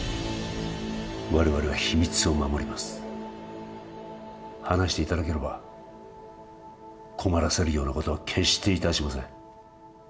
我々は秘密を守ります話していただければ困らせるようなことは決していたしません